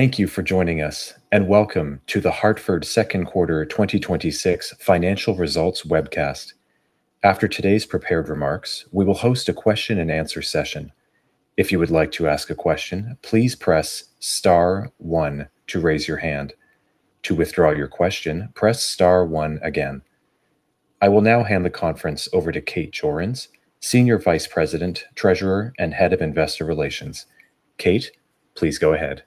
Thank you for joining us, and welcome to The Hartford second quarter 2026 financial results webcast. After today's prepared remarks, we will host a question and answer session. If you would like to ask a question, please press star one to raise your hand. To withdraw your question, press star one again. I will now hand the conference over to Kate Jorens, Senior Vice President, Treasurer, and Head of Investor Relations. Kate, please go ahead.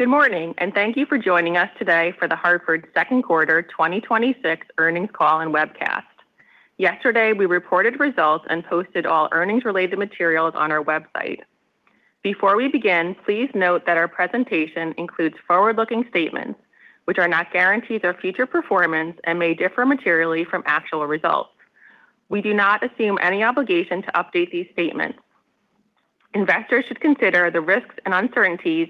Good morning. Thank you for joining us today for The Hartford second quarter 2026 earnings call and webcast. Yesterday, we reported results and posted all earnings related materials on our website. Before we begin, please note that our presentation includes forward-looking statements, which are not guarantees of future performance and may differ materially from actual results. We do not assume any obligation to update these statements. Investors should consider the risks and uncertainties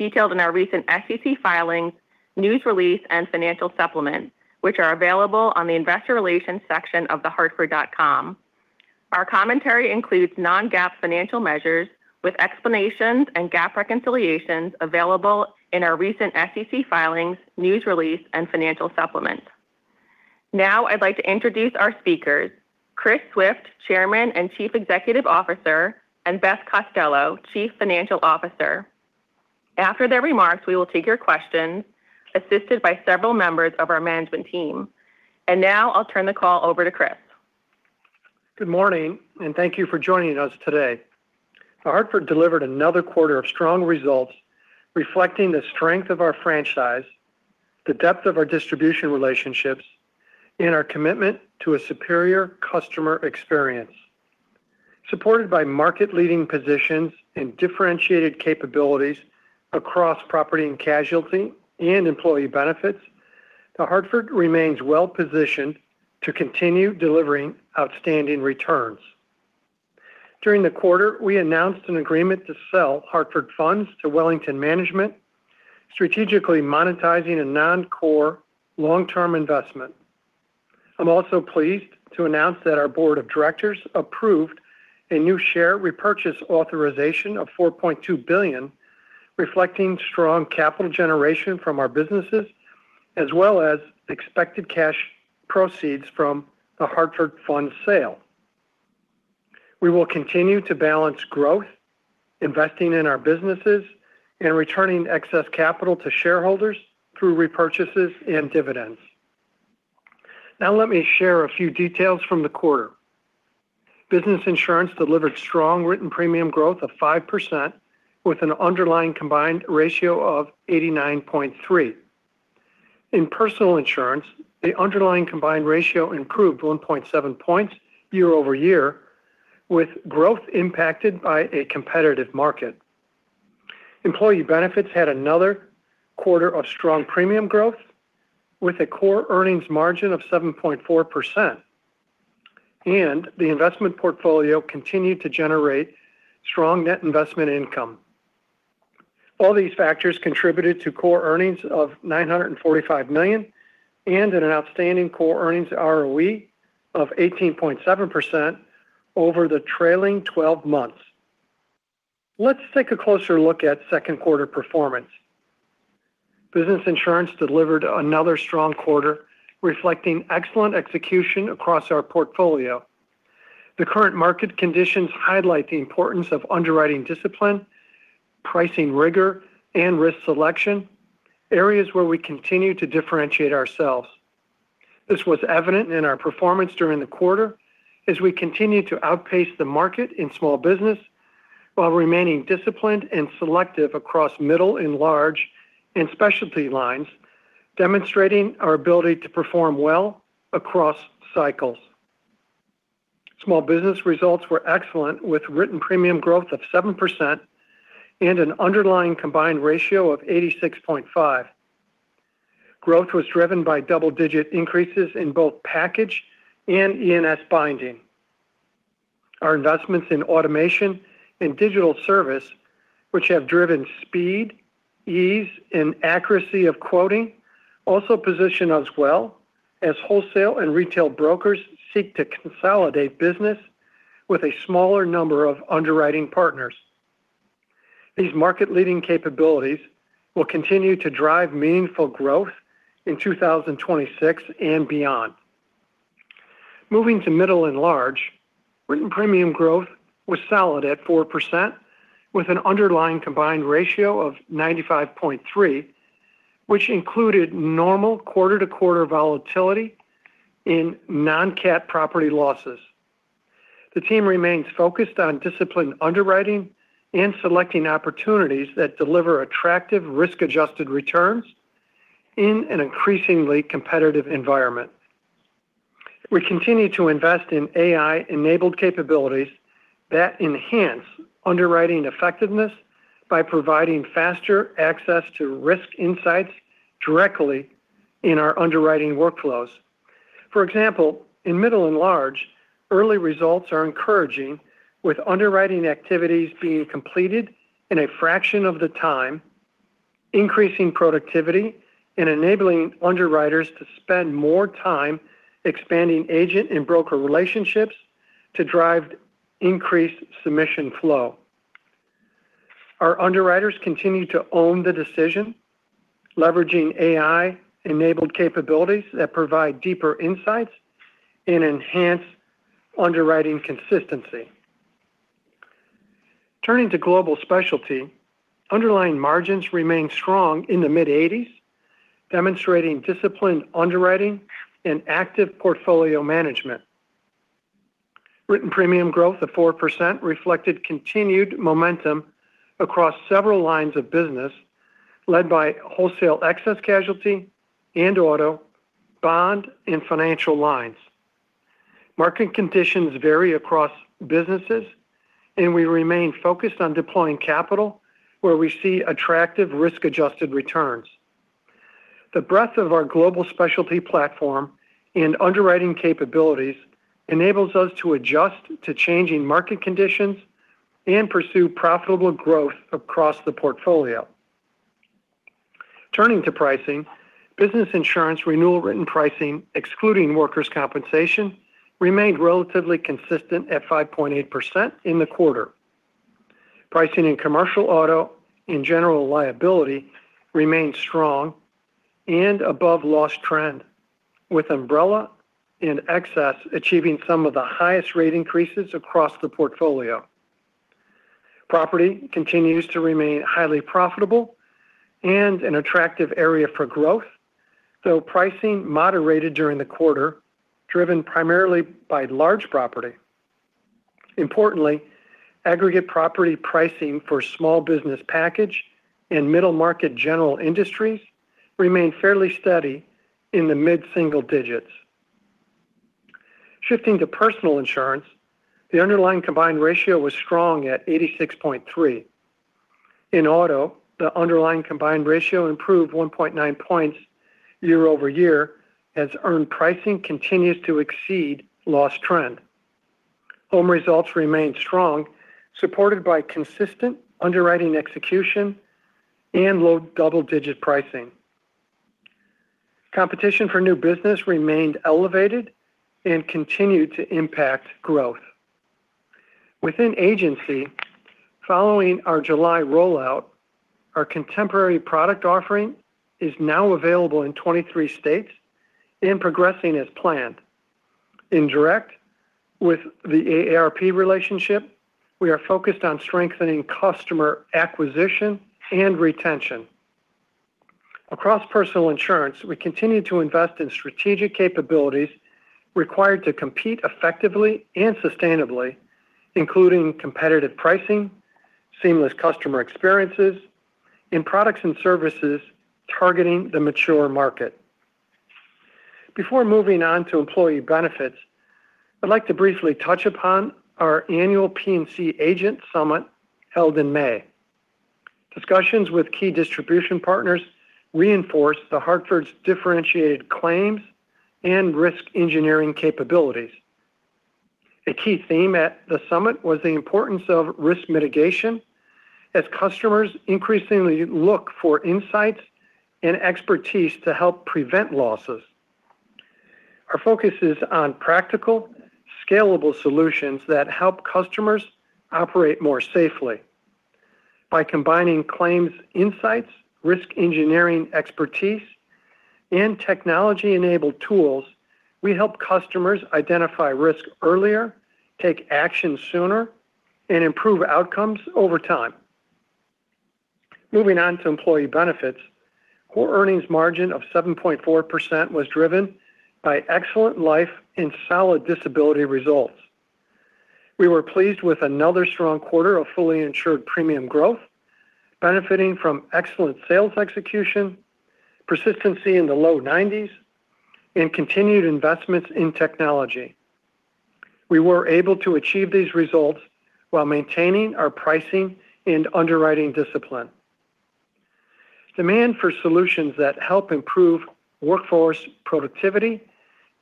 detailed in our recent SEC filings, news release, and financial supplement, which are available on the investor relations section of thehartford.com. Our commentary includes non-GAAP financial measures with explanations and GAAP reconciliations available in our recent SEC filings, news release, and financial supplement. Now I'd like to introduce our speakers, Chris Swift, Chairman and Chief Executive Officer, and Beth Costello, Chief Financial Officer. After their remarks, we will take your questions, assisted by several members of our management team. Now I'll turn the call over to Chris. Good morning. Thank you for joining us today. The Hartford delivered another quarter of strong results reflecting the strength of our franchise, the depth of our distribution relationships, and our commitment to a superior customer experience. Supported by market leading positions and differentiated capabilities across property and casualty and Employee Benefits, The Hartford remains well-positioned to continue delivering outstanding returns. During the quarter, we announced an agreement to sell Hartford Funds to Wellington Management, strategically monetizing a non-core long-term investment. I'm also pleased to announce that our board of directors approved a new share repurchase authorization of $4.2 billion, reflecting strong capital generation from our businesses, as well as expected cash proceeds from the Hartford Funds sale. We will continue to balance growth, investing in our businesses, and returning excess capital to shareholders through repurchases and dividends. Now let me share a few details from the quarter. Business Insurance delivered strong written premium growth of 5% with an underlying combined ratio of 89.3. In Personal Insurance, the underlying combined ratio improved 1.7 points year-over-year, with growth impacted by a competitive market. Employee Benefits had another quarter of strong premium growth with a core earnings margin of 7.4%. The investment portfolio continued to generate strong net investment income. All these factors contributed to core earnings of $945 million, and an outstanding core earnings ROE of 18.7% over the trailing 12 months. Let's take a closer look at second quarter performance. Business Insurance delivered another strong quarter, reflecting excellent execution across our portfolio. The current market conditions highlight the importance of underwriting discipline, pricing rigor, and risk selection, areas where we continue to differentiate ourselves. This was evident in our performance during the quarter as we continue to outpace the market in Small Business while remaining disciplined and selective across Middle and Large and specialty lines, demonstrating our ability to perform well across cycles. Small Business results were excellent with written premium growth of 7% and an underlying combined ratio of 86.5. Growth was driven by double-digit increases in both package and E&S binding. Our investments in automation and digital service, which have driven speed, ease, and accuracy of quoting, also position us well as wholesale and retail brokers seek to consolidate business with a smaller number of underwriting partners. These market leading capabilities will continue to drive meaningful growth in 2026 and beyond. Moving to Middle and Large, written premium growth was solid at 4% with an underlying combined ratio of 95.3, which included normal quarter-to-quarter volatility in non-CAT property losses. The team remains focused on disciplined underwriting and selecting opportunities that deliver attractive risk-adjusted returns in an increasingly competitive environment. We continue to invest in AI-enabled capabilities that enhance underwriting effectiveness by providing faster access to risk insights directly in our underwriting workflows. For example, in Middle and Large, early results are encouraging with underwriting activities being completed in a fraction of the time Increasing productivity and enabling underwriters to spend more time expanding agent and broker relationships to drive increased submission flow. Our underwriters continue to own the decision, leveraging AI-enabled capabilities that provide deeper insights and enhance underwriting consistency. Turning to Global Specialty, underlying margins remain strong in the mid-80s, demonstrating disciplined underwriting and active portfolio management. Written premium growth of 4% reflected continued momentum across several lines of business, led by wholesale excess casualty and auto, bond, and financial lines. Market conditions vary across businesses, and we remain focused on deploying capital where we see attractive risk-adjusted returns. The breadth of our Global Specialty platform and underwriting capabilities enables us to adjust to changing market conditions and pursue profitable growth across the portfolio. Turning to pricing, Business Insurance renewal written pricing, excluding workers' compensation, remained relatively consistent at 5.8% in the quarter. Pricing in commercial auto and general liability remained strong and above loss trend, with umbrella and excess achieving some of the highest rate increases across the portfolio. Property continues to remain highly profitable and an attractive area for growth, though pricing moderated during the quarter, driven primarily by large property. Importantly, aggregate property pricing for Small Business package and middle market general industries remained fairly steady in the mid-single digits. Shifting to Personal Insurance, the underlying combined ratio was strong at 86.3. In auto, the underlying combined ratio improved 1.9 points year-over-year as earned pricing continues to exceed loss trend. Home results remained strong, supported by consistent underwriting execution and low double-digit pricing. Competition for new business remained elevated and continued to impact growth. Within agency, following our July rollout, our contemporary product offering is now available in 23 states and progressing as planned. In direct, with the AARP relationship, we are focused on strengthening customer acquisition and retention. Across Personal Insurance, we continue to invest in strategic capabilities required to compete effectively and sustainably, including competitive pricing, seamless customer experiences, and products and services targeting the mature market. Before moving on to Employee Benefits, I'd like to briefly touch upon our annual P&C Agent Summit held in May. Discussions with key distribution partners reinforced The Hartford's differentiated claims and risk engineering capabilities. A key theme at the summit was the importance of risk mitigation as customers increasingly look for insights and expertise to help prevent losses. Our focus is on practical, scalable solutions that help customers operate more safely. By combining claims insights, risk engineering expertise, and technology-enabled tools, we help customers identify risk earlier, take action sooner, and improve outcomes over time. Moving on to Employee Benefits, core earnings margin of 7.4% was driven by excellent life and solid disability results. We were pleased with another strong quarter of fully insured premium growth, benefiting from excellent sales execution, persistency in the low 90s, and continued investments in technology. We were able to achieve these results while maintaining our pricing and underwriting discipline. Demand for solutions that help improve workforce productivity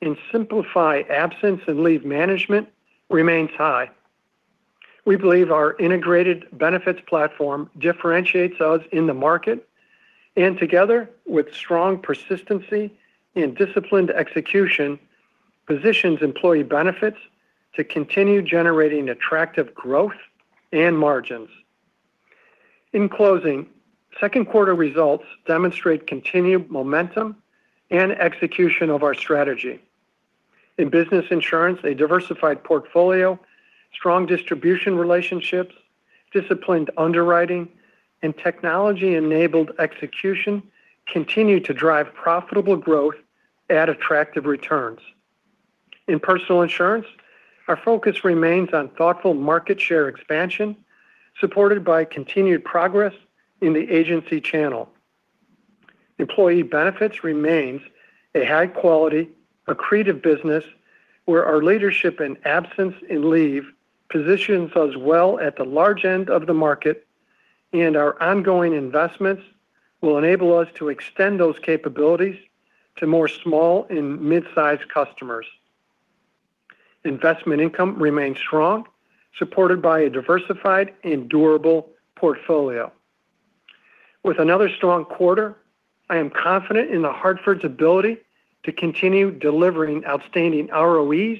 and simplify absence and leave management remains high. We believe our integrated benefits platform differentiates us in the market and together, with strong persistency and disciplined execution, positions Employee Benefits to continue generating attractive growth and margins. In closing, second quarter results demonstrate continued momentum and execution of our strategy. In Business Insurance, a diversified portfolio, strong distribution relationships, disciplined underwriting, and technology-enabled execution continue to drive profitable growth at attractive returns. In Personal Insurance, our focus remains on thoughtful market share expansion, supported by continued progress in the agency channel. Employee Benefits remains a high-quality, accretive business where our leadership in absence and leave positions us well at the large end of the market, and our ongoing investments will enable us to extend those capabilities to more small and midsize customers. Investment income remained strong, supported by a diversified and durable portfolio. With another strong quarter, I am confident in The Hartford's ability to continue delivering outstanding ROEs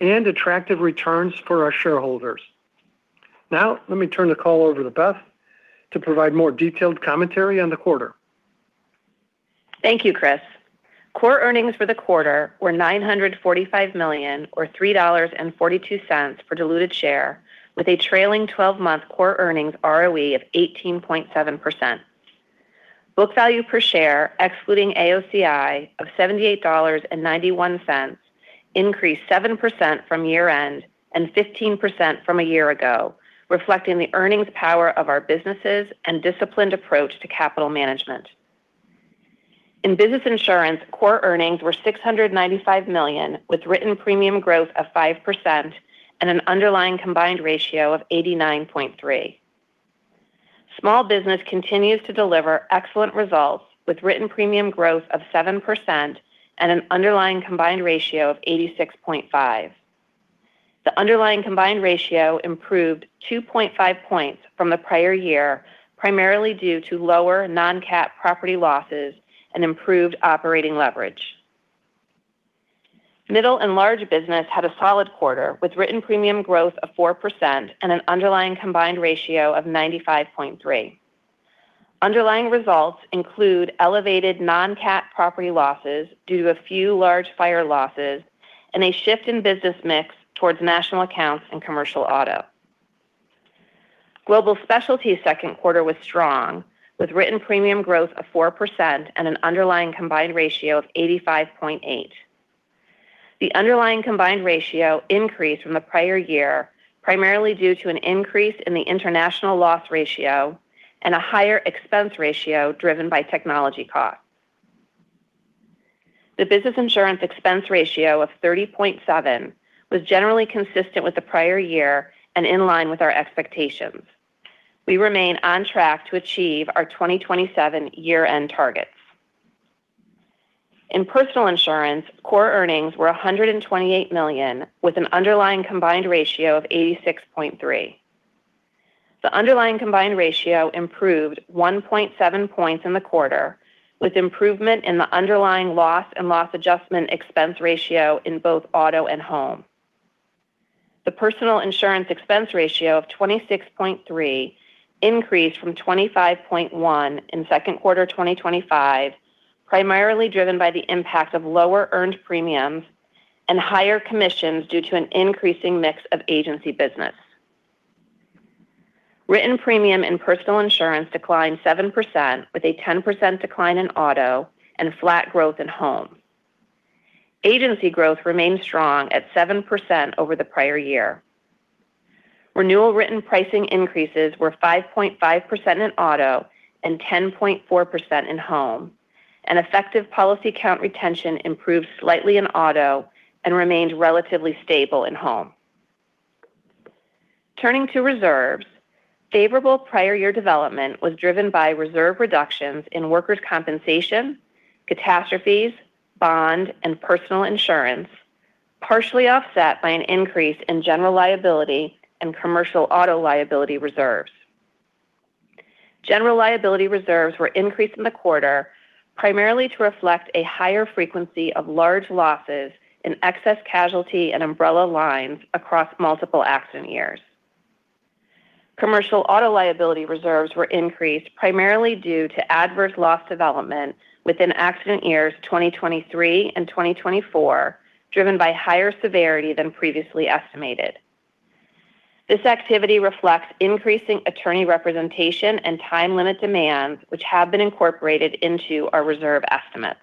and attractive returns for our shareholders. Now, let me turn the call over to Beth to provide more detailed commentary on the quarter. Thank you, Chris. Core earnings for the quarter were $945 million, or $3.42 for diluted share, with a trailing 12-month core earnings ROE of 18.7%. Book value per share, excluding AOCI, of $78.91, increased 7% from year-end and 15% from a year ago, reflecting the earnings power of our businesses and disciplined approach to capital management. In Business Insurance, core earnings were $695 million, with written premium growth of 5% and an underlying combined ratio of 89.3. Small Business continues to deliver excellent results, with written premium growth of 7% and an underlying combined ratio of 86.5. The underlying combined ratio improved 2.5 points from the prior year, primarily due to lower non-CAT property losses and improved operating leverage. Middle and Large business had a solid quarter, with written premium growth of 4% and an underlying combined ratio of 95.3. Underlying results include elevated non-CAT property losses due to a few large fire losses and a shift in business mix towards National Accounts and commercial auto. Global Specialty's second quarter was strong, with written premium growth of 4% and an underlying combined ratio of 85.8. The underlying combined ratio increased from the prior year, primarily due to an increase in the international loss ratio and a higher expense ratio driven by technology costs. The Business Insurance expense ratio of 30.7 was generally consistent with the prior year and in line with our expectations. We remain on track to achieve our 2027 year-end targets. In Personal Insurance, core earnings were $128 million, with an underlying combined ratio of 86.3. The underlying combined ratio improved 1.7 points in the quarter, with improvement in the underlying loss and loss adjustment expense ratio in both auto and home. The Personal Insurance expense ratio of 26.3 increased from 25.1 in second quarter 2025, primarily driven by the impact of lower earned premiums and higher commissions due to an increasing mix of agency business. Written premium in Personal Insurance declined 7%, with a 10% decline in auto and flat growth in home. Agency growth remained strong at 7% over the prior year. Renewal written pricing increases were 5.5% in auto and 10.4% in home, and effective policy count retention improved slightly in auto and remained relatively stable in home. Turning to reserves, favorable prior year development was driven by reserve reductions in workers' compensation, catastrophes, bond, and Personal Insurance, partially offset by an increase in general liability and commercial auto liability reserves. General liability reserves were increased in the quarter primarily to reflect a higher frequency of large losses in excess casualty and umbrella lines across multiple accident years. Commercial auto liability reserves were increased primarily due to adverse loss development within accident years 2023 and 2024, driven by higher severity than previously estimated. This activity reflects increasing attorney representation and time limit demands, which have been incorporated into our reserve estimates.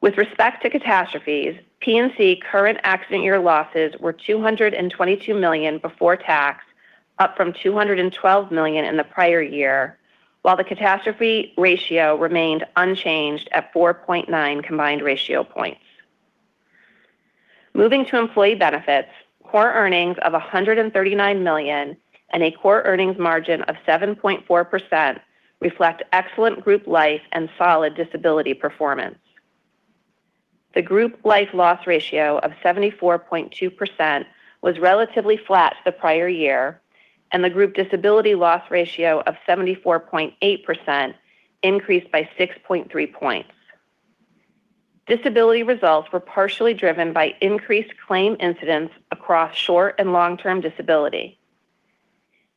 With respect to catastrophes, P&C current accident year losses were $222 million before tax, up from $212 million in the prior year, while the catastrophe ratio remained unchanged at 4.9 combined ratio points. Moving to Employee Benefits, core earnings of $139 million and a core earnings margin of 7.4% reflect excellent group life and solid disability performance. The group life loss ratio of 74.2% was relatively flat to the prior year, and the group disability loss ratio of 74.8% increased by 6.3 points. Disability results were partially driven by increased claim incidents across short and long-term disability.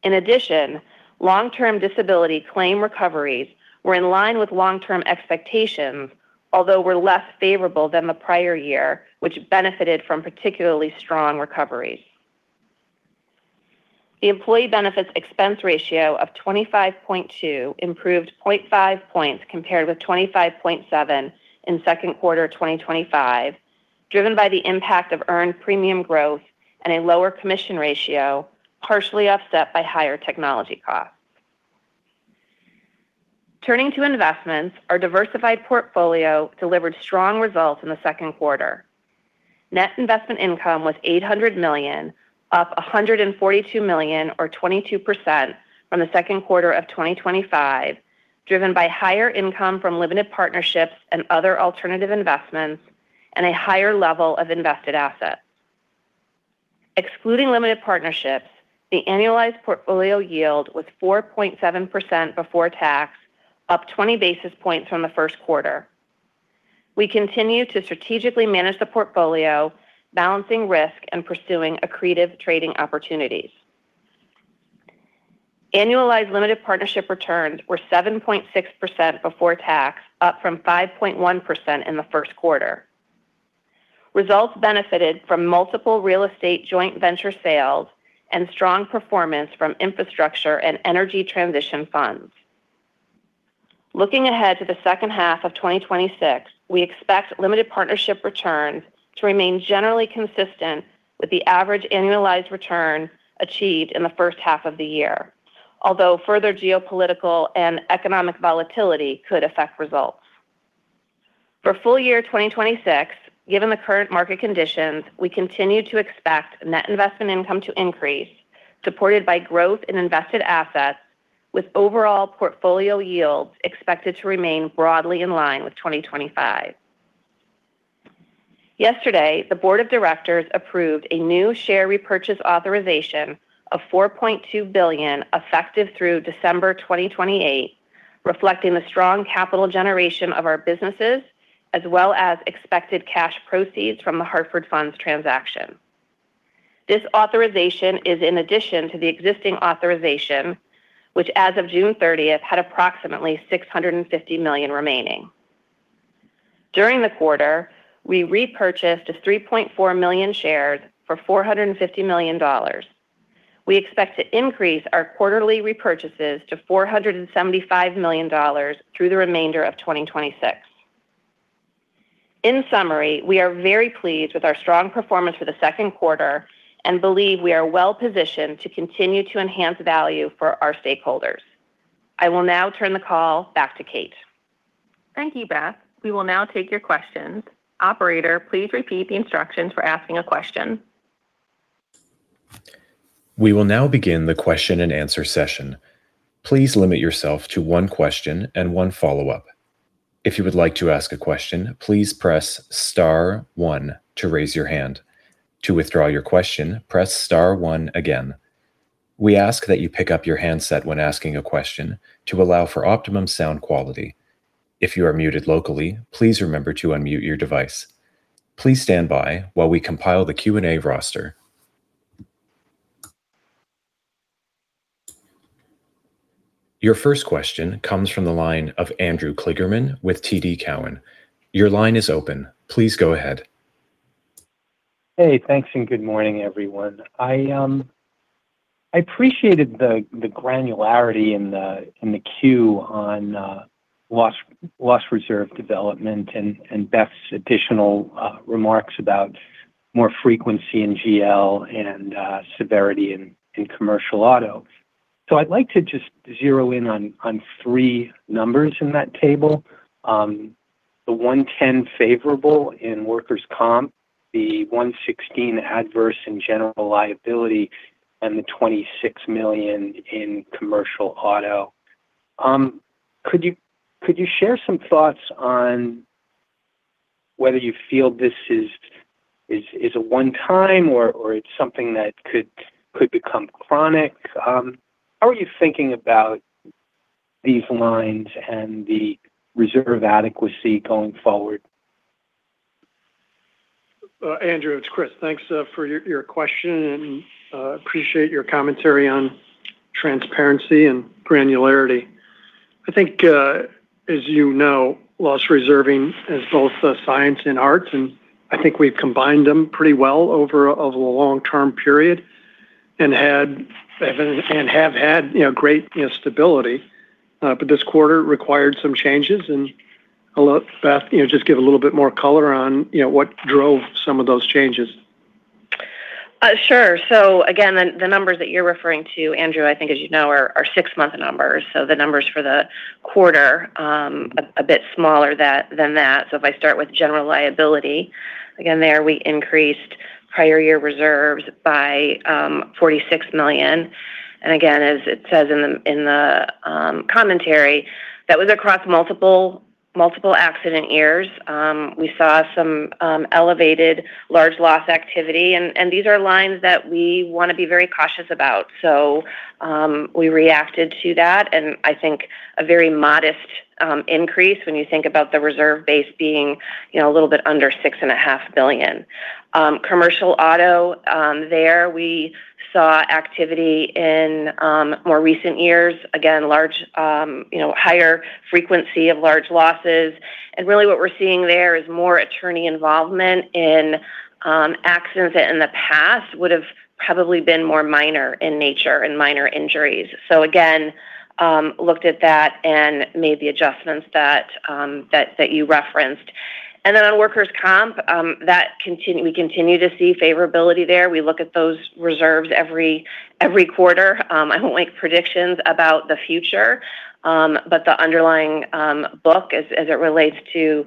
In addition, long-term disability claim recoveries were in line with long-term expectations, although were less favorable than the prior year, which benefited from particularly strong recoveries. The Employee Benefits expense ratio of 25.2 improved 0.5 points compared with 25.7 in second quarter 2025, driven by the impact of earned premium growth and a lower commission ratio, partially offset by higher technology costs. Turning to investments, our diversified portfolio delivered strong results in the second quarter. Net investment income was $800 million, up $142 million or 22% from the second quarter of 2025 driven by higher income from limited partnerships and other alternative investments and a higher level of invested assets. Excluding limited partnerships, the annualized portfolio yield was 4.7% before tax, up 20 basis points from the first quarter. We continue to strategically manage the portfolio, balancing risk and pursuing accretive trading opportunities. Annualized limited partnership returns were 7.6% before tax, up from 5.1% in the first quarter. Results benefited from multiple real estate joint venture sales and strong performance from infrastructure and energy transition funds. Looking ahead to the second half of 2026, we expect limited partnership returns to remain generally consistent with the average annualized return achieved in the first half of the year, although further geopolitical and economic volatility could affect results. For full year 2026, given the current market conditions, we continue to expect net investment income to increase, supported by growth in invested assets with overall portfolio yields expected to remain broadly in line with 2025. Yesterday, the board of directors approved a new share repurchase authorization of $4.2 billion effective through December 2028, reflecting the strong capital generation of our businesses, as well as expected cash proceeds from The Hartford Funds transaction. This authorization is in addition to the existing authorization, which as of June 30th, had approximately $650 million remaining. During the quarter, we repurchased 3.4 million shares for $450 million. We expect to increase our quarterly repurchases to $475 million through the remainder of 2026. In summary, we are very pleased with our strong performance for the second quarter and believe we are well-positioned to continue to enhance value for our stakeholders. I will now turn the call back to Kate. Thank you, Beth. We will now take your questions. Operator, please repeat the instructions for asking a question. We will now begin the question and answer session. Please limit yourself to one question and one follow-up. If you would like to ask a question, please press star one to raise your hand. To withdraw your question, press star one again. We ask that you pick up your handset when asking a question to allow for optimum sound quality. If you are muted locally, please remember to unmute your device. Please stand by while we compile the Q&A roster. Your first question comes from the line of Andrew Kligerman with TD Cowen. Your line is open. Please go ahead. Hey, thanks. Good morning, everyone. I appreciated the granularity in the queue on loss reserve development and Beth's additional remarks about more frequency in GL and severity in commercial auto. I'd like to just zero in on three numbers in that table. The $110 million favorable in workers' comp, the $116 million adverse in general liability, and the $26 million in commercial auto. Could you share some thoughts on whether you feel this is a one-time or it's something that could become chronic? How are you thinking about these lines and the reserve adequacy going forward? Andrew, it's Chris. Thanks for your question. Appreciate your commentary on transparency and granularity. I think as you know, loss reserving is both a science and art. I think we've combined them pretty well over a long-term period and have had great stability. This quarter required some changes. I'll let Beth just give a little bit more color on what drove some of those changes. Sure. Again, the numbers that you're referring to, Andrew, I think as you know, are six-month numbers. The numbers for the quarter, a bit smaller than that. If I start with general liability, again, there we increased prior year reserves by $46 million. Again, as it says in the commentary, that was across multiple accident years. We saw some elevated large loss activity. These are lines that we want to be very cautious about. We reacted to that. I think a very modest increase when you think about the reserve base being a little bit under $6.5 billion. Commercial auto, there we saw activity in more recent years. Again, higher frequency of large losses. Really what we're seeing there is more attorney involvement in accidents that in the past would've probably been more minor in nature and minor injuries. looked at that and made the adjustments that you referenced. On workers' comp, we continue to see favorability there. We look at those reserves every quarter. I don't like predictions about the future, but the underlying book as it relates to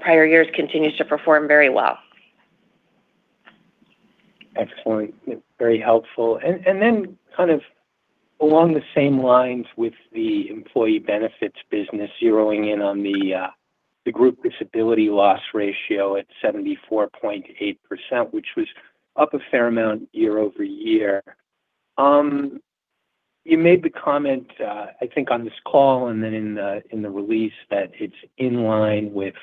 prior years continues to perform very well. Excellent. Very helpful. Kind of along the same lines with the Employee Benefits business, zeroing in on the group disability loss ratio at 74.8%, which was up a fair amount year-over-year. You made the comment, I think, on this call and then in the release that it's in line with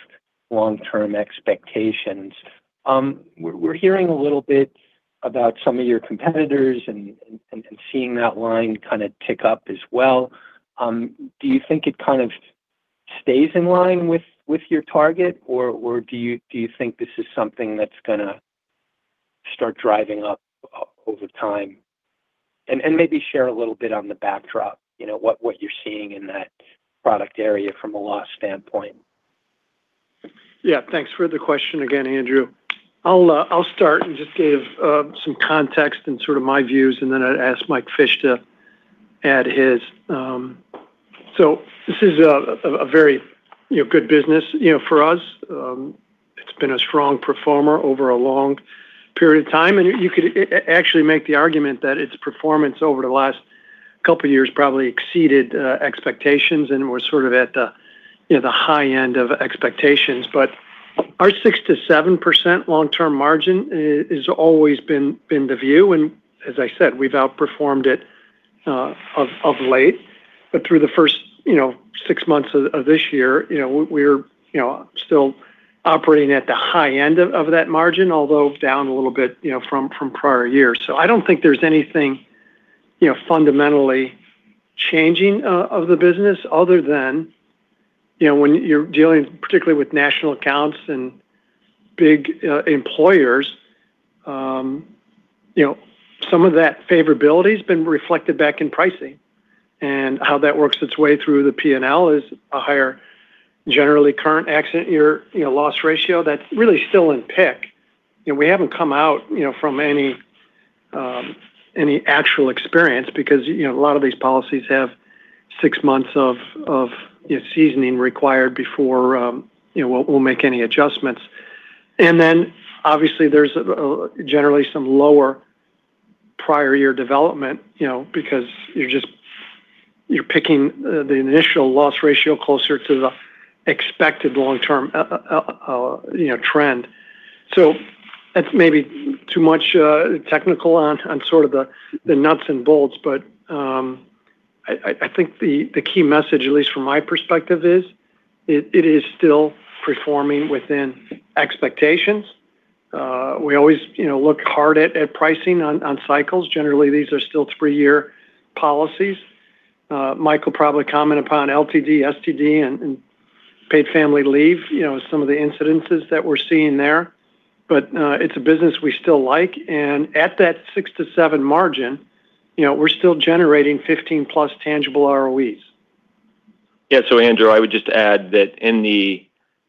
long-term expectations. We're hearing a little bit about some of your competitors and seeing that line kind of tick up as well. Do you think it kind of stays in line with your target, or do you think this is something that's going to start driving up over time? Maybe share a little bit on the backdrop, what you're seeing in that product area from a loss standpoint. Thanks for the question again, Andrew. I'll start and just give some context and sort of my views, then I'd ask Mike Fish to add his. This is a very good business for us. It's been a strong performer over a long period of time, and you could actually make the argument that its performance over the last couple of years probably exceeded expectations and was sort of at the high end of expectations. Our 6%-7% long-term margin has always been the view, and as I said, we've outperformed it of late. Through the first six months of this year, we're still operating at the high end of that margin, although down a little bit from prior years. I don't think there's anything fundamentally changing of the business other than when you're dealing particularly with National Accounts and big employers, some of that favorability has been reflected back in pricing, and how that works its way through the P&L is a higher generally current accident year loss ratio that's really still in pick. We haven't come out from any actual experience because a lot of these policies have six months of seasoning required before we'll make any adjustments. Obviously there's generally some lower prior year development because you're picking the initial loss ratio closer to the expected long-term trend. That's maybe too much technical on sort of the nuts and bolts, but I think the key message, at least from my perspective, is it is still performing within expectations. We always look hard at pricing on cycles. Generally, these are still three-year policies. Mike will probably comment upon LTD, STD, and paid family leave, some of the incidents that we're seeing there. It's a business we still like, and at that 6%-7% margin, we're still generating 15-plus tangible ROEs. Andrew, I would just add that in the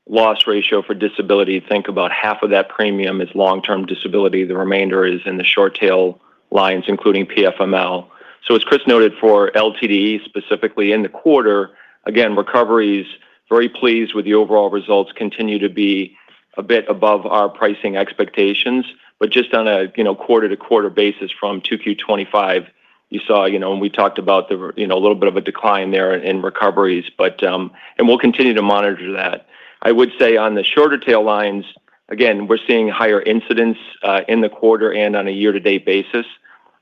loss ratio for disability, think about half of that premium is long-term disability. The remainder is in the short tail lines, including PFML. As Chris noted for LTD specifically in the quarter, again, recoveries very pleased with the overall results continue to be a bit above our pricing expectations. Just on a quarter-over-quarter basis from 2Q 2025, you saw, and we talked about a little bit of a decline there in recoveries, and we'll continue to monitor that. I would say on the shorter tail lines, again, we're seeing higher incidents in the quarter and on a year-to-date basis,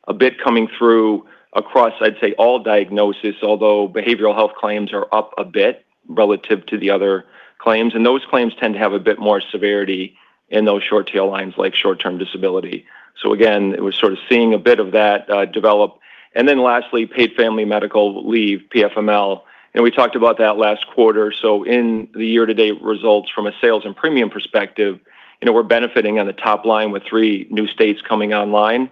a bit coming through across all diagnoses, although behavioral health claims are up a bit relative to the other claims, and those claims tend to have a bit more severity in those short tail lines, like short-term disability. Again, we're sort of seeing a bit of that develop. Lastly, paid family medical leave, PFML, we talked about that last quarter. In the year-to-date results from a sales and premium perspective, we're benefiting on the top line with three new states coming online.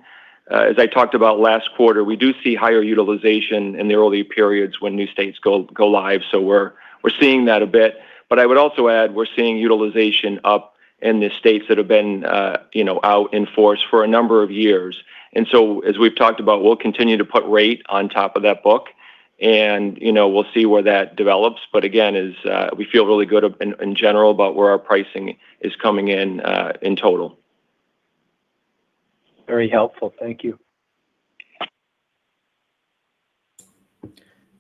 As I talked about last quarter, we do see higher utilization in the early periods when new states go live. We're seeing that a bit, I would also add we're seeing utilization up in the states that have been out in force for a number of years. As we've talked about, we'll continue to put rate on top of that book and we'll see where that develops. Again, we feel really good in general about where our pricing is coming in total. Very helpful. Thank you.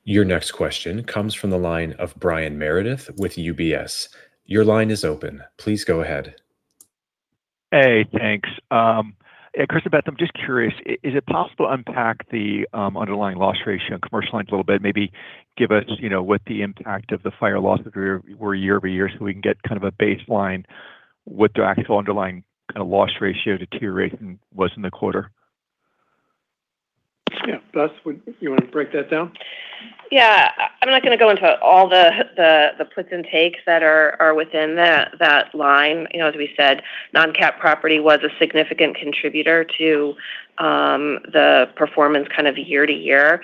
Your next question comes from the line of Brian Meredith with UBS. Your line is open. Please go ahead. Hey, thanks. Chris and Beth, I'm just curious, is it possible to unpack the underlying loss ratio in commercial lines a little bit? Maybe give us what the impact of the fire loss were year-over-year so we can get kind of a baseline what the actual underlying kind of loss ratio deterioration was in the quarter. Yeah. Beth, you want to break that down? Yeah. I'm not going to go into all the puts and takes that are within that line. As we said, non-CAT property was a significant contributor to the performance kind of year-to-year.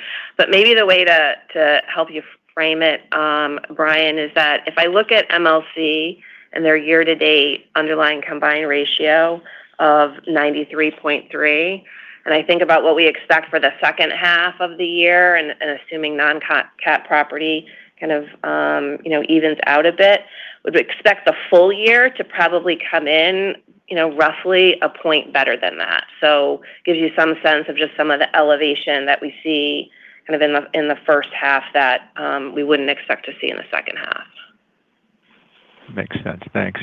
Maybe the way to help you frame it, Brian, is that if I look at MLC and their year-to-date underlying combined ratio of 93.3 I think about what we expect for the second half of the year, and assuming non-CAT property kind of evens out a bit, would expect the full year to probably come in roughly a point better than that. Gives you some sense of just some of the elevation that we see kind of in the first half that we wouldn't expect to see in the second half. Makes sense. Thanks.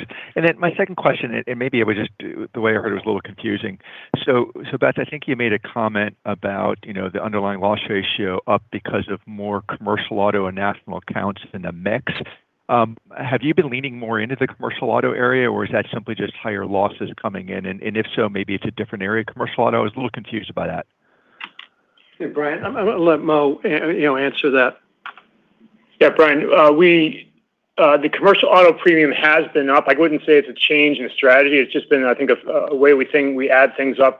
My second question, maybe it was just the way I heard it was a little confusing. Beth, I think you made a comment about the underlying loss ratio up because of more commercial auto and National Accounts in the mix. Have you been leaning more into the commercial auto area, or is that simply just higher losses coming in? If so, maybe it's a different area of commercial auto. I was a little confused about that. Brian, I'm going to let Mo answer that. Brian, the commercial auto premium has been up. I wouldn't say it's a change in strategy. It's just been, I think, a way we add things up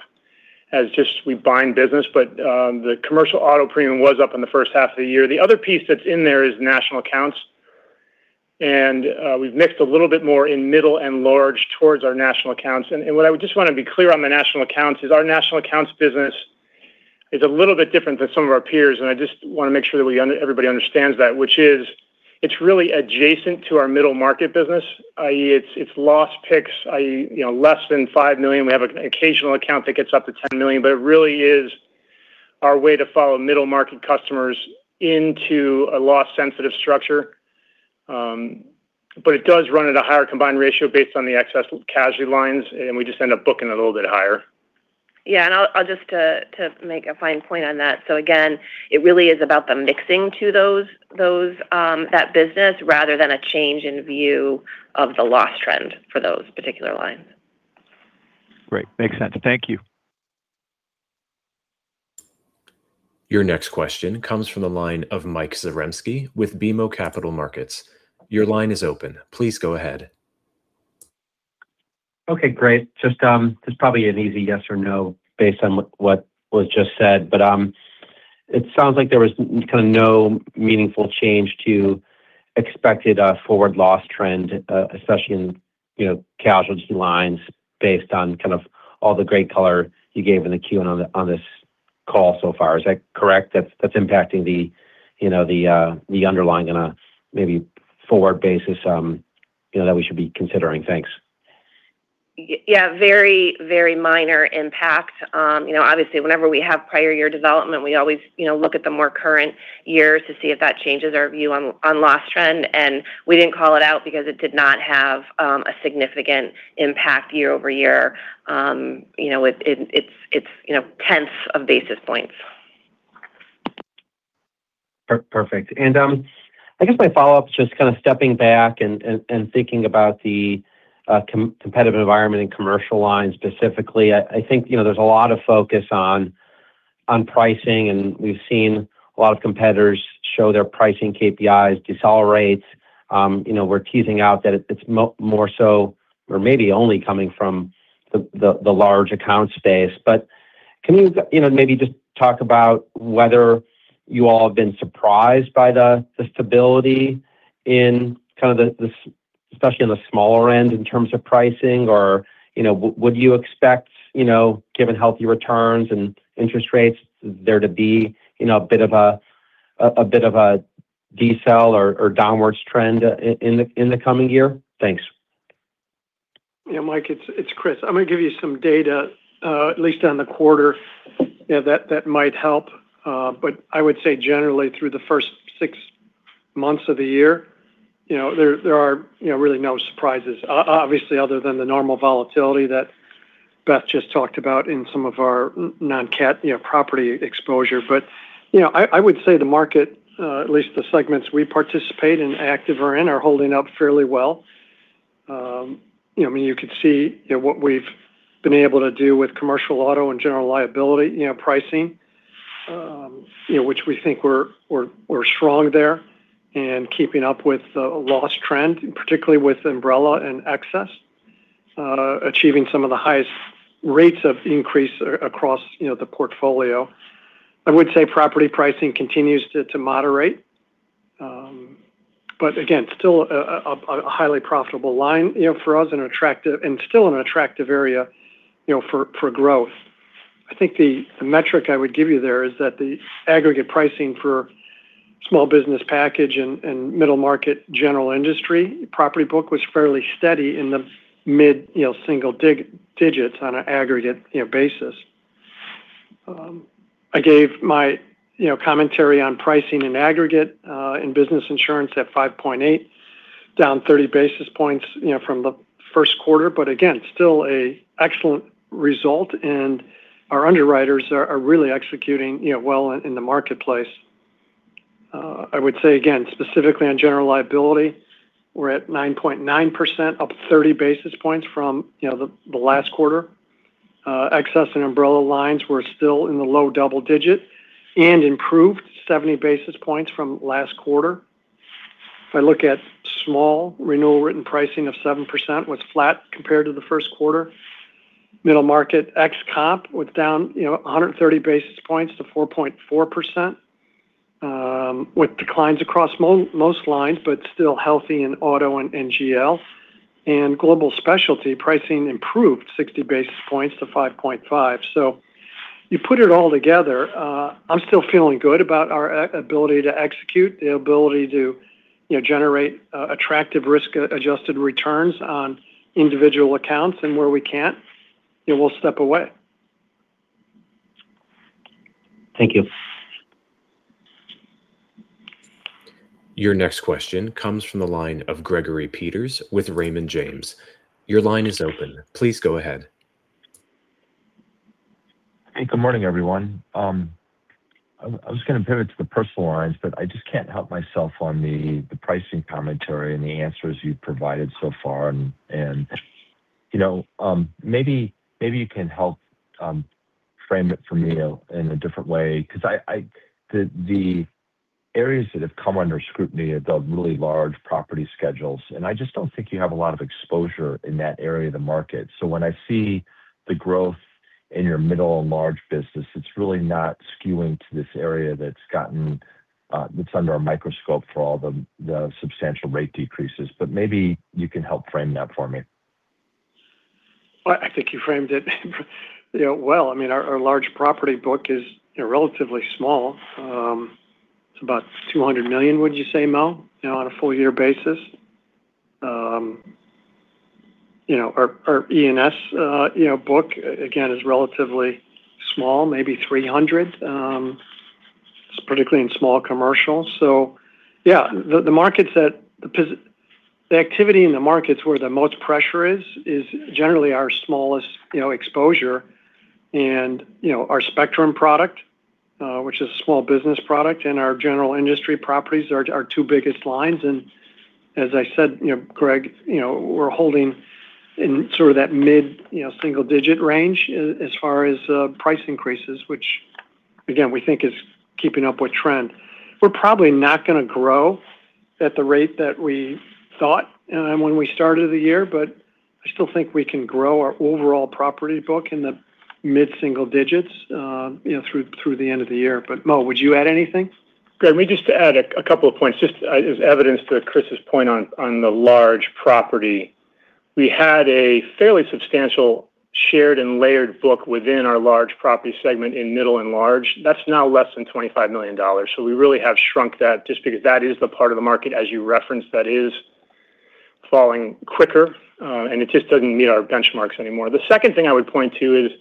as just we bind business. The commercial auto premium was up in the first half of the year. The other piece that's in there is National Accounts, we've mixed a little bit more in Middle and Large towards our National Accounts. What I would just want to be clear on the National Accounts is our National Accounts business is a little bit different than some of our peers, I just want to make sure that everybody understands that, which is it's really adjacent to our Middle Market business, i.e., it's loss picks, less than $5 million. We have an occasional account that gets up to $10 million, it really is our way to follow Middle Market customers into a loss sensitive structure. It does run at a higher combined ratio based on the excess casualty lines, we just end up booking a little bit higher. Yeah. I'll just to make a fine point on that. Again, it really is about the mixing to that business rather than a change in view of the loss trend for those particular lines. Great. Makes sense. Thank you. Your next question comes from the line of Mike Zaremski with BMO Capital Markets. Your line is open. Please go ahead. Okay, great. Just this is probably an easy yes or no based on what was just said, it sounds like there was no meaningful change to expected forward loss trend, especially in casualty lines, based on all the great color you gave in the Q on this call so far. Is that correct? That's impacting the underlying on a maybe forward basis that we should be considering? Thanks. Very minor impact. Obviously whenever we have prior year development, we always look at the more current years to see if that changes our view on loss trend, and we didn't call it out because it did not have a significant impact year-over-year. It's tenths of basis points. Perfect. I guess my follow-up's just kind of stepping back and thinking about the competitive environment in commercial lines specifically. I think there's a lot of focus on pricing, and we've seen a lot of competitors show their pricing KPIs decelerate. We're teasing out that it's more so or maybe only coming from the large account space. Can you maybe just talk about whether you all have been surprised by the stability in kind of the, especially on the smaller end in terms of pricing or, would you expect, given healthy returns and interest rates there to be a bit of a decel or downwards trend in the coming year? Thanks. Mike, it's Chris. I'm going to give you some data, at least on the quarter, that might help. I would say generally through the first six months of the year, there are really no surprises, obviously, other than the normal volatility that Beth just talked about in some of our non-CAT property exposure. I would say the market, at least the segments we participate in, active or in, are holding up fairly well. You could see what we've been able to do with commercial auto and general liability pricing, which we think we're strong there in keeping up with the loss trend, particularly with umbrella and excess, achieving some of the highest rates of increase across the portfolio. I would say property pricing continues to moderate. Again, still a highly profitable line for us and still an attractive area for growth. I think the metric I would give you there is that the aggregate pricing for Small Business package and middle market general industry property book was fairly steady in the mid-single digits on an aggregate basis. I gave my commentary on pricing in aggregate in Business Insurance at 5.8%, down 30 basis points from the first quarter, again, still an excellent result and our underwriters are really executing well in the marketplace. I would say again, specifically on general liability, we're at 9.9%, up 30 basis points from the last quarter. Excess and umbrella lines were still in the low double digit and improved 70 basis points from last quarter. If I look at small renewal written pricing of 7% was flat compared to the first quarter. Middle market ex-comp was down 130 basis points to 4.4%. With declines across most lines, still healthy in auto and GL. In Global Specialty, pricing improved 60 basis points to 5.5%. You put it all together, I'm still feeling good about our ability to execute, the ability to generate attractive risk-adjusted returns on individual accounts, and where we can't, we'll step away. Thank you. Your next question comes from the line of Gregory Peters with Raymond James. Your line is open. Please go ahead. Hey, good morning, everyone. I was going to pivot to the Personal Lines, I just can't help myself on the pricing commentary and the answers you've provided so far. Maybe you can help frame it for me in a different way, because the areas that have come under scrutiny are the really large property schedules, and I just don't think you have a lot of exposure in that area of the market. When I see the growth in your Middle and Large business, it's really not skewing to this area that's under a microscope for all the substantial rate decreases. Maybe you can help frame that for me. I think you framed it well. Our large property book is relatively small. It's about $200 million, would you say, Mo, on a full-year basis? Our E&S book, again, is relatively small, maybe $300. It's particularly in small commercial. Yeah, the activity in the markets where the most pressure is generally our smallest exposure and our Spectrum product, which is a Small Business product and our general industry properties are our two biggest lines. As I said Greg, we're holding in that mid-single digit range as far as price increases, which again, we think is keeping up with trend. We're probably not going to grow at the rate that we thought when we started the year, but I still think we can grow our overall property book in the mid-single digits through the end of the year. Mo, would you add anything? Greg, let me just add a couple of points, just as evidence to Chris's point on the large property. We had a fairly substantial shared and layered book within our large property segment in Middle and Large. That's now less than $25 million. We really have shrunk that just because that is the part of the market, as you referenced, that is falling quicker. It just doesn't meet our benchmarks anymore. The second thing I would point to is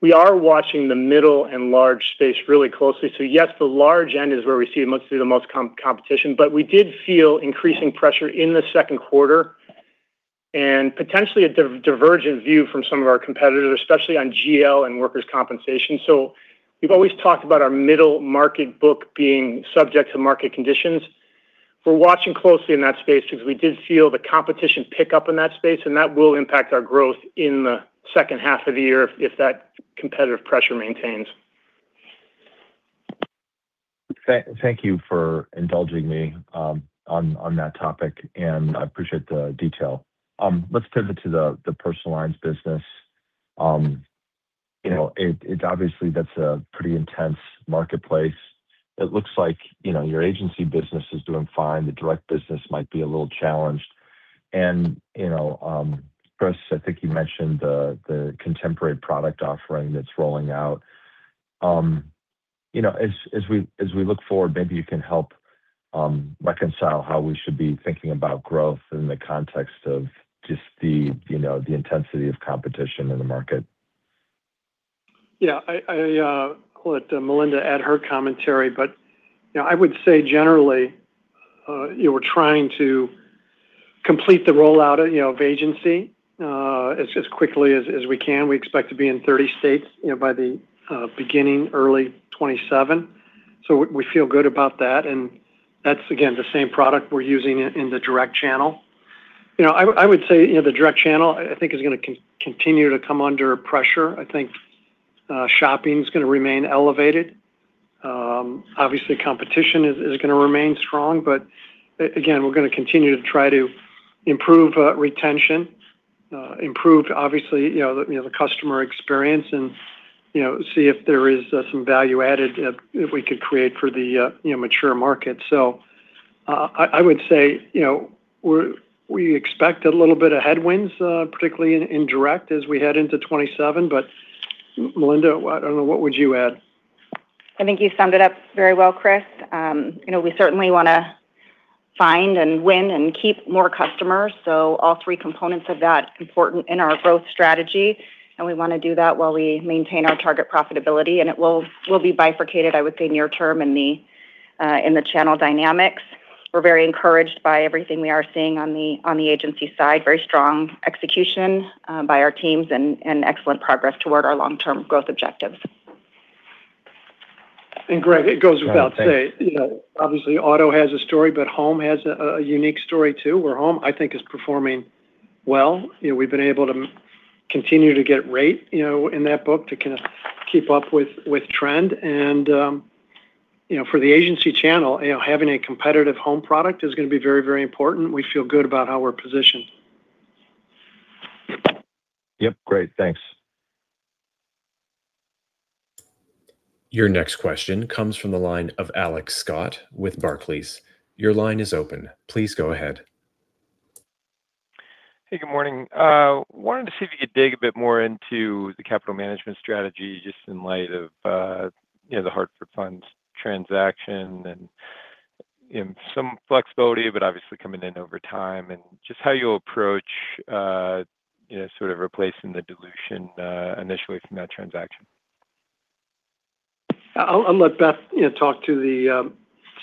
we are watching the Middle and Large space really closely. Yes, the large end is where we see the most competition, but we did feel increasing pressure in the second quarter and potentially a divergent view from some of our competitors, especially on GL and workers' compensation. We've always talked about our middle market book being subject to market conditions. We're watching closely in that space because we did feel the competition pick up in that space, and that will impact our growth in the second half of the year if that competitive pressure maintains. Thank you for indulging me on that topic, and I appreciate the detail. Let's pivot to the personal lines business. Obviously, that's a pretty intense marketplace. It looks like your agency business is doing fine. The direct business might be a little challenged. Chris, I think you mentioned the contemporary product offering that's rolling out. As we look forward, maybe you can help reconcile how we should be thinking about growth in the context of just the intensity of competition in the market. Yeah. I'll let Melinda add her commentary, I would say generally, we're trying to complete the rollout of agency as quickly as we can. We expect to be in 30 states by the beginning, early 2027. We feel good about that, and that's, again, the same product we're using in the direct channel. I would say, the direct channel, I think is going to continue to come under pressure. I think shopping's going to remain elevated. Obviously, competition is going to remain strong, again, we're going to continue to try to improve retention, improve obviously, the customer experience and see if there is some value added that we could create for the mature market. I would say, we expect a little bit of headwinds, particularly in direct as we head into 2027. Melinda, I don't know, what would you add? I think you summed it up very well, Chris. We certainly want to find and win and keep more customers. All three components of that important in our growth strategy, we want to do that while we maintain our target profitability, it will be bifurcated, I would say, near term in the channel dynamics. We're very encouraged by everything we are seeing on the agency side, very strong execution by our teams and excellent progress toward our long-term growth objectives. Greg, it goes without saying. Thanks Obviously auto has a story, home has a unique story, too, where home, I think, is performing well. We've been able to continue to get rate in that book to keep up with trend. For the agency channel, having a competitive home product is going to be very important. We feel good about how we're positioned. Yep. Great. Thanks. Your next question comes from the line of Alex Scott with Barclays. Your line is open. Please go ahead. Hey, good morning. Wanted to see if you could dig a bit more into the capital management strategy, just in light of the Hartford Funds transaction and some flexibility, but obviously coming in over time and just how you approach replacing the dilution initially from that transaction. I'll let Beth talk to the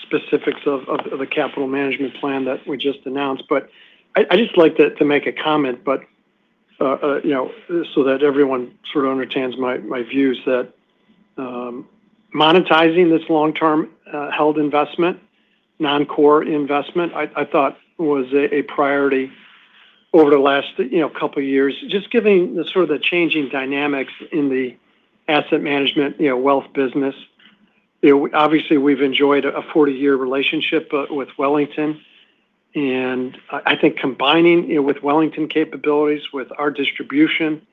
specifics of the capital management plan that we just announced. I'd just like to make a comment, so that everyone sort of understands my views. That monetizing this long-term held investment, non-core investment, I thought was a priority over the last couple of years, just given the changing dynamics in the asset management wealth business. Obviously, we've enjoyed a 40-year relationship with Wellington, and I think combining with Wellington capabilities with our distribution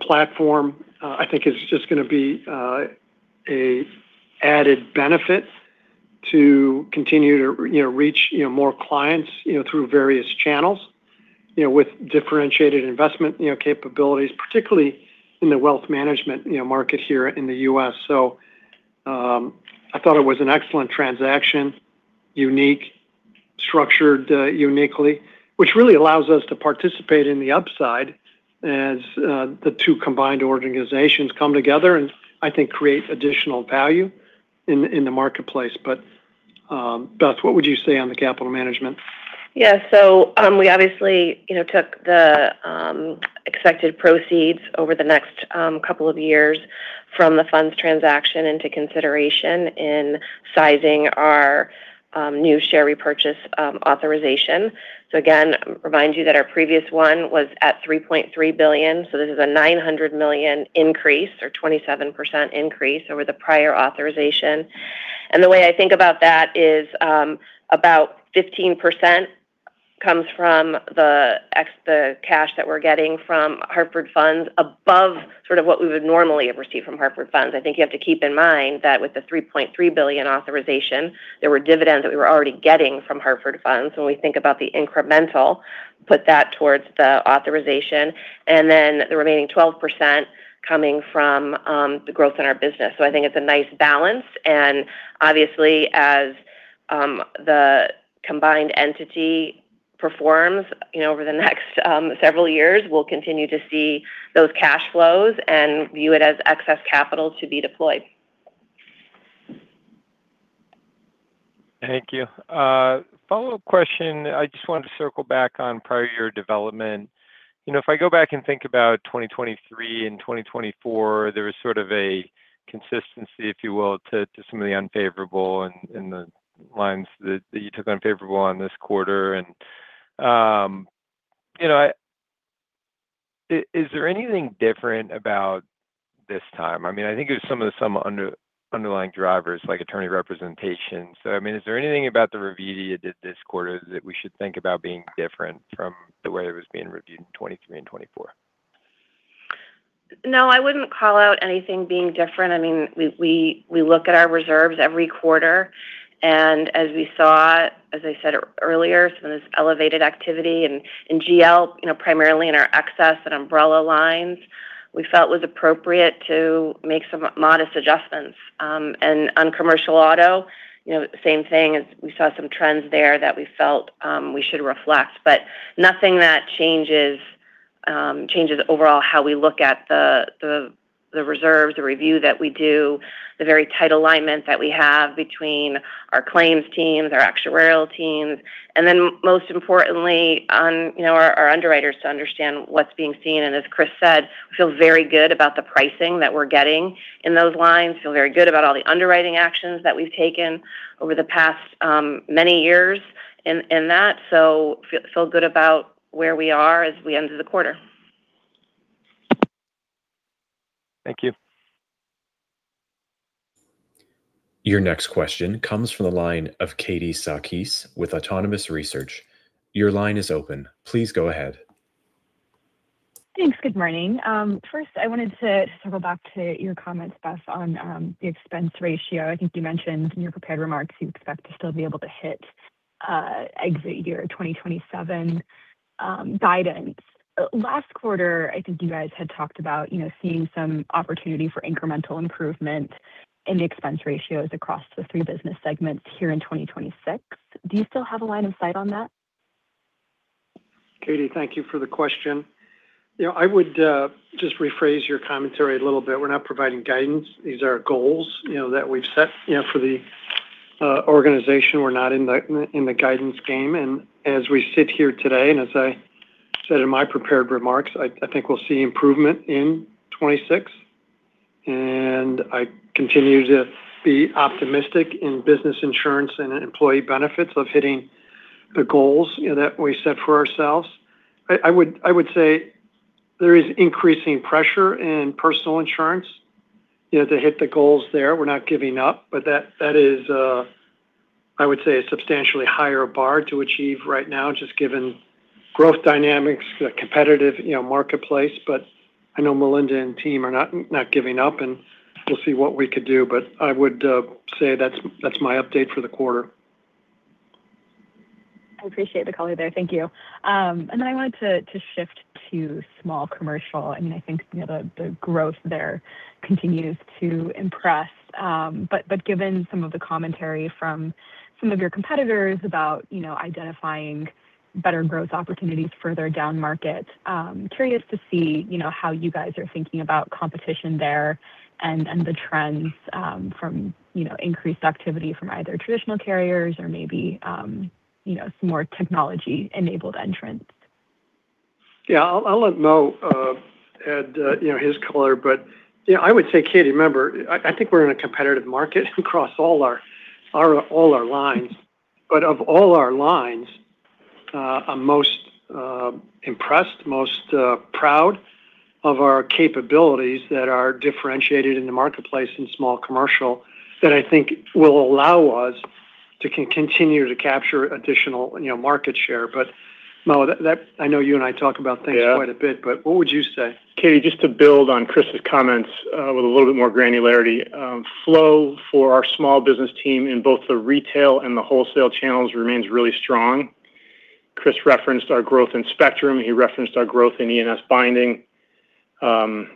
platform, I think is just going to be a added benefit to continue to reach more clients through various channels with differentiated investment capabilities, particularly in the wealth management market here in the U.S. I thought it was an excellent transaction, structured uniquely, which really allows us to participate in the upside as the two combined organizations come together and, I think, create additional value in the marketplace. Beth, what would you say on the capital management? We obviously took the expected proceeds over the next couple of years from the funds transaction into consideration in sizing our new share repurchase authorization. Again, remind you that our previous one was at $3.3 billion, so this is a $900 million increase or 27% increase over the prior authorization. The way I think about that is about 15% comes from the cash that we're getting from Hartford Funds above sort of what we would normally have received from Hartford Funds. I think you have to keep in mind that with the $3.3 billion authorization, there were dividends that we were already getting from Hartford Funds. When we think about the incremental, put that towards the authorization, and then the remaining 12% coming from the growth in our business. I think it's a nice balance, and obviously as the combined entity performs over the next several years, we'll continue to see those cash flows and view it as excess capital to be deployed. Thank you. Follow-up question. I just wanted to circle back on prior year development. If I go back and think about 2023 and 2024, there was sort of a consistency, if you will, to some of the unfavorable in the lines that you took unfavorable on this quarter. Is there anything different about this time? I think it was some underlying drivers like attorney representation. Is there anything about the review you did this quarter that we should think about being different from the way it was being reviewed in 2023 and 2024? No, I wouldn't call out anything being different. We look at our reserves every quarter, and as we saw, as I said earlier, some of this elevated activity in GL, primarily in our excess and umbrella lines, we felt was appropriate to make some modest adjustments. On commercial auto, same thing as we saw some trends there that we felt we should reflect. Nothing that changes overall how we look at the reserves, the review that we do, the very tight alignment that we have between our claims teams, our actuarial teams, and then most importantly, our underwriters to understand what's being seen. As Chris said, we feel very good about the pricing that we're getting in those lines. Feel very good about all the underwriting actions that we've taken over the past many years in that. Feel good about where we are as we end the quarter. Thank you. Your next question comes from the line of Katie Sakys with Autonomous Research. Your line is open. Please go ahead. Thanks. Good morning. I wanted to circle back to your comments, Beth, on the expense ratio. I think you mentioned in your prepared remarks you expect to still be able to hit exit year 2027 guidance. Last quarter, I think you guys had talked about seeing some opportunity for incremental improvement in the expense ratios across the three Business Segments here in 2026. Do you still have a line of sight on that? Katie, thank you for the question. I would just rephrase your commentary a little bit. We're not providing guidance. These are goals that we've set for the organization. We're not in the guidance game. As we sit here today, as I said in my prepared remarks, I think we'll see improvement in 2026, and I continue to be optimistic in Business Insurance and Employee Benefits of hitting the goals that we set for ourselves. I would say there is increasing pressure in Personal Insurance to hit the goals there. We're not giving up, that is I would say a substantially higher bar to achieve right now, just given growth dynamics, competitive marketplace. I know Melinda and team are not giving up, and we'll see what we could do. I would say that's my update for the quarter. I appreciate the color there. Thank you. I wanted to shift to small commercial. I think the growth there continues to impress. Given some of the commentary from some of your competitors about identifying better growth opportunities further down market, curious to see how you guys are thinking about competition there and the trends from increased activity from either traditional carriers or maybe some more technology-enabled entrants. Yeah. I'll let Mo add his color. I would say, Katie, remember, I think we're in a competitive market across all our lines. Of all our lines, I'm most impressed, most proud of our capabilities that are differentiated in the marketplace in small commercial that I think will allow us to continue to capture additional market share. Mo, I know you and I talk about things quite a bit. Yeah. What would you say? Katie, just to build on Chris's comments with a little bit more granularity, flow for our Small Business team in both the retail and the wholesale channels remains really strong. Chris referenced our growth in Spectrum. He referenced our growth in E&S binding. The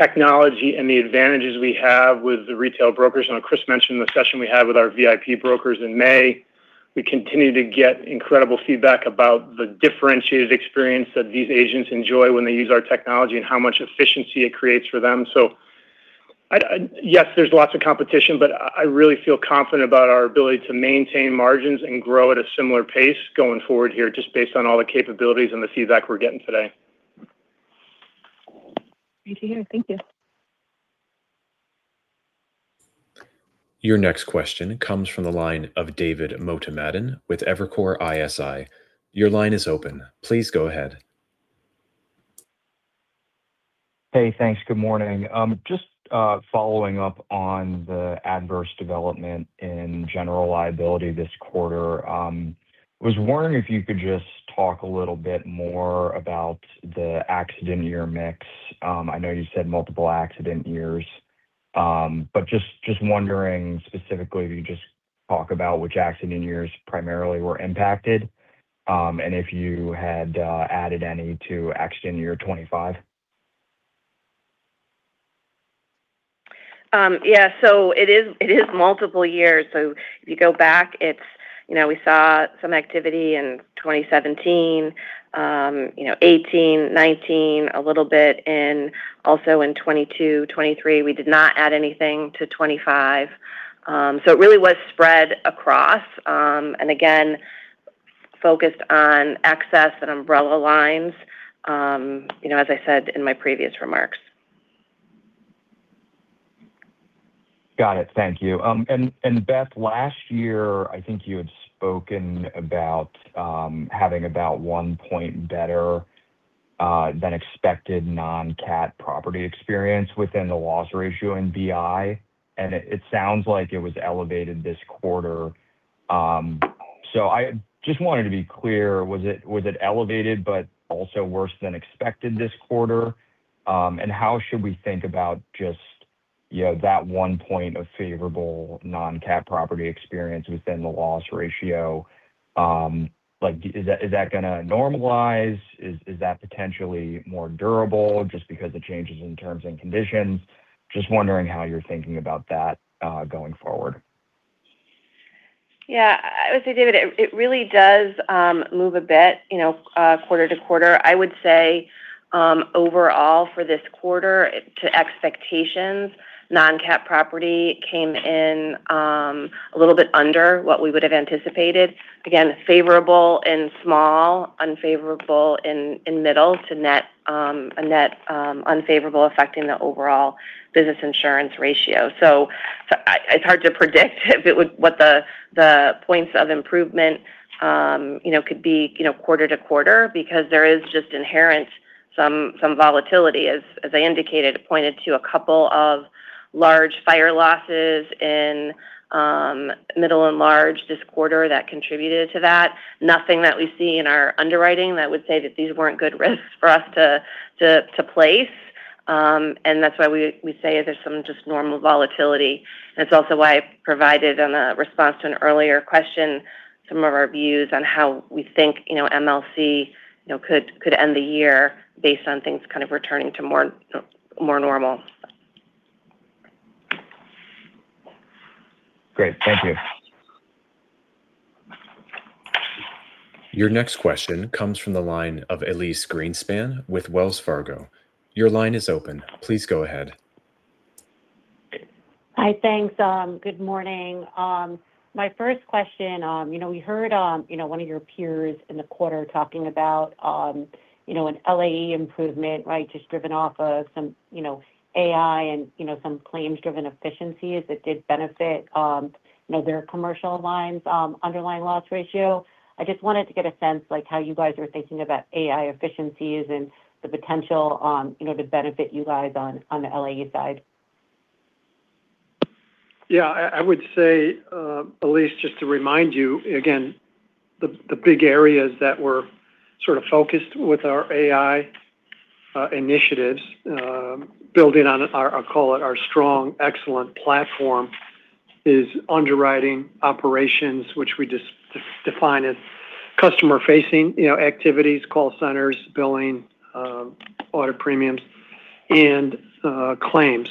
technology and the advantages we have with the retail brokers, and Chris mentioned the session we had with our VIP brokers in May, we continue to get incredible feedback about the differentiated experience that these agents enjoy when they use our technology and how much efficiency it creates for them. Yes, there's lots of competition, but I really feel confident about our ability to maintain margins and grow at a similar pace going forward here, just based on all the capabilities and the feedback we're getting today. Great to hear. Thank you. Your next question comes from the line of David Motemaden with Evercore ISI. Your line is open. Please go ahead. Hey, thanks. Good morning. Just following up on the adverse development in general liability this quarter. Was wondering if you could just talk a little bit more about the accident year mix. I know you said multiple accident years. Just wondering specifically if you could just talk about which accident years primarily were impacted, and if you had added any to accident year 2025. Yeah. It is multiple years. If you go back, we saw some activity in 2017, 2018, 2019 a little bit, and also in 2022, 2023. We did not add anything to 2025. It really was spread across. Again, focused on excess and umbrella lines as I said in my previous remarks. Got it. Thank you. Beth, last year, I think you had spoken about having about one point better than expected non-CAT property experience within the loss ratio in BI, and it sounds like it was elevated this quarter. I just wanted to be clear, was it elevated but also worse than expected this quarter? How should we think about just that one point of favorable non-CAT property experience within the loss ratio? Is that going to normalize? Is that potentially more durable just because of changes in terms and conditions? Just wondering how you're thinking about that going forward. Yeah. I would say, David, it really does move a bit quarter to quarter. I would say, overall for this quarter to expectations, non-CAT property came in a little bit under what we would have anticipated. Again, favorable in small, unfavorable in middle to net unfavorable affecting the overall Business Insurance ratio. It's hard to predict what the points of improvement could be quarter to quarter because there is just inherent some volatility. As I indicated, it pointed to a couple of large fire losses in Middle and Large this quarter that contributed to that. Nothing that we see in our underwriting that would say that these weren't good risks for us to place. That's why we say there's some just normal volatility. It's also why I provided in a response to an earlier question some of our views on how we think MLC could end the year based on things kind of returning to more normal. Great. Thank you. Your next question comes from the line of Elyse Greenspan with Wells Fargo. Your line is open. Please go ahead. Hi. Thanks. Good morning. My first question, we heard one of your peers in the quarter talking about an LAE improvement, right? Just driven off of some AI and some claims-driven efficiencies that did benefit their commercial lines' underlying loss ratio. I just wanted to get a sense how you guys are thinking about AI efficiencies and the potential to benefit you guys on the LAE side. Yeah, I would say, Elyse, just to remind you again, the big areas that we're sort of focused with our AI initiatives, building on our, I'll call it our strong, excellent platform, is underwriting operations, which we define as customer-facing activities, call centers, billing, auto premiums, and claims.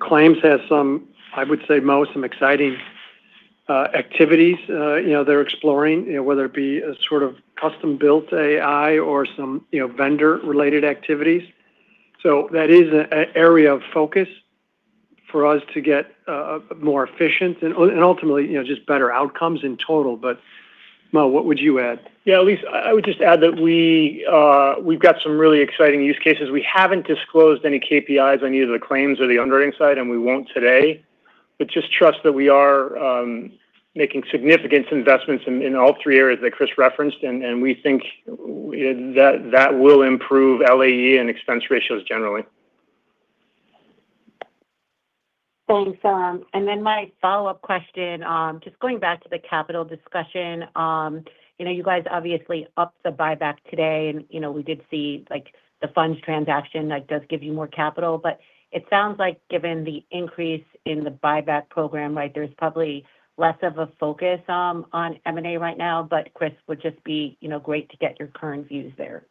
Claims has some, I would say, Mo, some exciting activities they're exploring, whether it be a sort of custom-built AI or some vendor-related activities. That is an area of focus for us to get more efficient and ultimately, just better outcomes in total. Mo, what would you add? Yeah, Elyse, I would just add that we've got some really exciting use cases. We haven't disclosed any KPIs on either the claims or the underwriting side, and we won't today. Just trust that we are making significant investments in all three areas that Chris referenced, and we think that that will improve LAE and expense ratios generally. Thanks. My follow-up question, just going back to the capital discussion. You guys obviously upped the buyback today, and we did see the funds transaction. That does give you more capital. It sounds like given the increase in the buyback program, there's probably less of a focus on M&A right now. Chris, would just be great to get your current views there.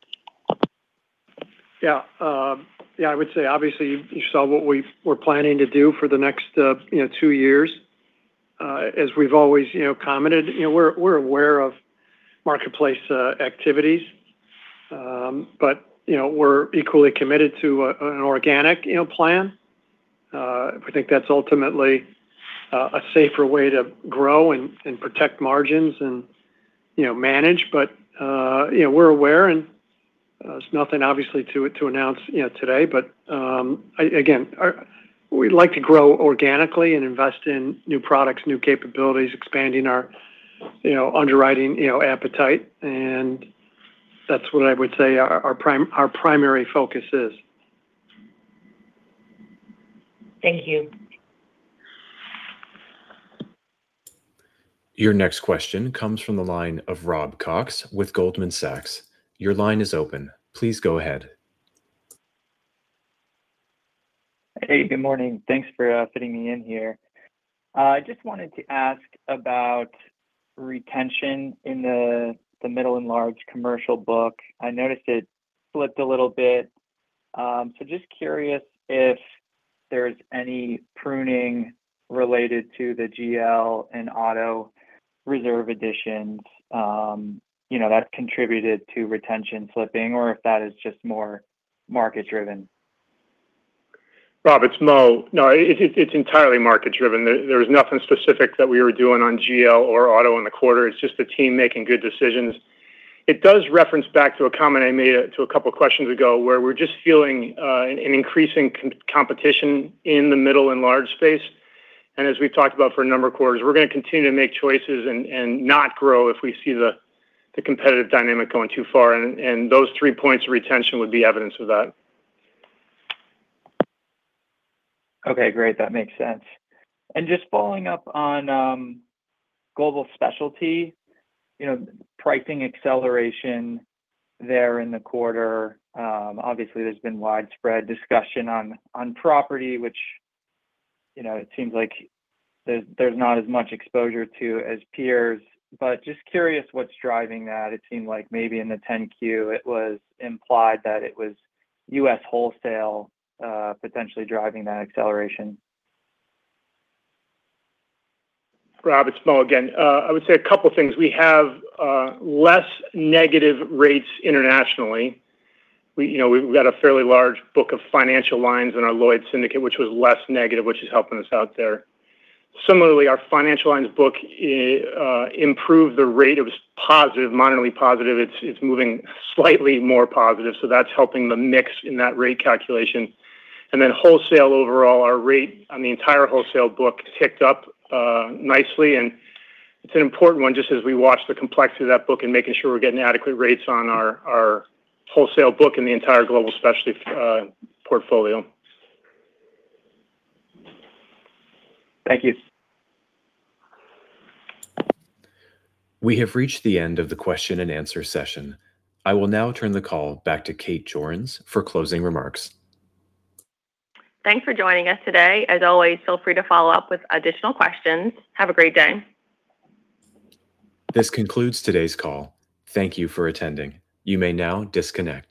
Yeah. I would say, obviously, you saw what we were planning to do for the next two years. As we've always commented, we're aware of marketplace activities. We're equally committed to an organic plan. We think that's ultimately a safer way to grow and protect margins and manage. We're aware, and there's nothing obviously to announce today. Again, we'd like to grow organically and invest in new products, new capabilities, expanding our underwriting appetite, and that's what I would say our primary focus is. Thank you. Your next question comes from the line of Rob Cox with Goldman Sachs. Your line is open. Please go ahead. Hey, good morning. Thanks for fitting me in here. I just wanted to ask about retention in the Middle and Large commercial book. I noticed it slipped a little bit. Just curious if there's any pruning related to the GL and auto reserve additions that contributed to retention slipping, or if that is just more market-driven. Rob, it's Mo. No, it's entirely market-driven. There was nothing specific that we were doing on GL or auto in the quarter. It's just the team making good decisions. It does reference back to a comment I made to a couple of questions ago, where we're just feeling an increasing competition in the Middle and Large space. As we've talked about for a number of quarters, we're going to continue to make choices and not grow if we see the competitive dynamic going too far. Those three points of retention would be evidence of that. Okay, great. That makes sense. Just following up on Global Specialty, pricing acceleration there in the quarter. Obviously, there's been widespread discussion on property, which it seems like there's not as much exposure to as peers. But just curious what's driving that. It seemed like maybe in the 10-Q, it was implied that it was U.S. wholesale potentially driving that acceleration. Rob, it's Mo again. I would say a couple of things. We have less negative rates internationally. We've got a fairly large book of financial lines in our Lloyd's Syndicate, which was less negative, which is helping us out there. Similarly, our financial lines book improved the rate. It was positive, moderately positive. It's moving slightly more positive, so that's helping the mix in that rate calculation. Then wholesale overall, our rate on the entire wholesale book ticked up nicely, and it's an important one, just as we watch the complexity of that book and making sure we're getting adequate rates on our wholesale book in the entire Global Specialty portfolio. Thank you. We have reached the end of the question and answer session. I will now turn the call back to Kate Jorens for closing remarks. Thanks for joining us today. As always, feel free to follow up with additional questions. Have a great day. This concludes today's call. Thank you for attending. You may now disconnect.